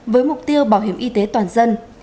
với mục tiêu bảo hiểm y tế toàn dân